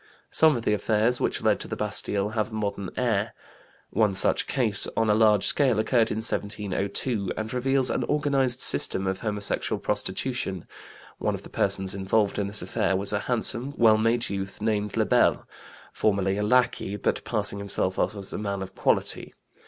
Some of the affairs which led to the Bastille have a modern air. One such case on a large scale occurred in 1702, and reveals an organized system of homosexual prostitution; one of the persons involved in this affair was a handsome, well made youth named Lebel, formerly a lackey, but passing himself off as a man of quality.